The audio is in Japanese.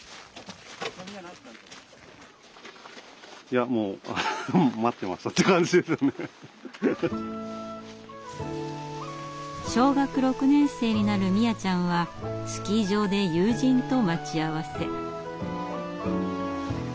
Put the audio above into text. いやもう小学６年生になる実椰ちゃんはスキー場で友人と待ち合わせ。